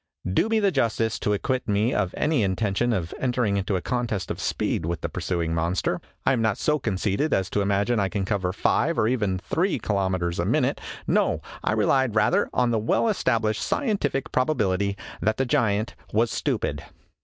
Do me the justice to acquit me of any intention of entering into a contest of speed with the pur suing monster. I am not so conceited as to imagine I can cover five or even three kilometers a minute. No ; I relied, rather, on the well established scientific probability that the giant was stupid.